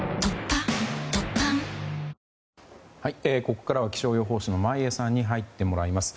ここからは気象予報士の眞家さんに入ってもらいます。